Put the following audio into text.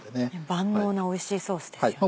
万能なおいしいソースですよね。